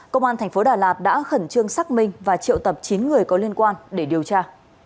công an thành phố đà lạt đã khẩn trương xác minh và triệu tập chín người có liên quan để điều tra